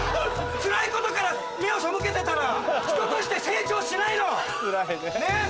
辛いことから目を背けてたら人として成長しないの！ね？